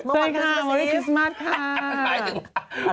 เฮ้ยค่ะมะคือคิสมาสค่ะ